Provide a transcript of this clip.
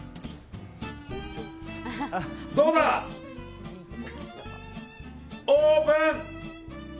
どうだ、オープン！